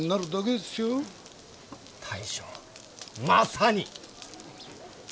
大将まさに！